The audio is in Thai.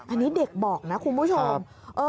อันนี้เด็กบอกนะคุณผู้ชม